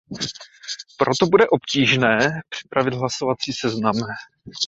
Proto bude obtížné připravit hlasovací seznam.